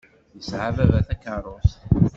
Yesɛa baba takeṛṛust.